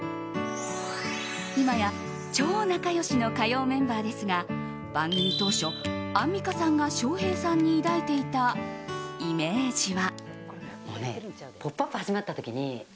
今や超仲良しの火曜メンバーですが番組当初、アンミカさんが翔平さんに抱いていたイメージは。